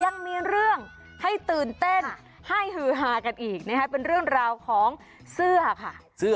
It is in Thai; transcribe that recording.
ยังมีเรื่องให้ตื่นเต้นให้ฮือฮากันอีกนะครับเป็นเรื่องราวของเสื้อค่ะ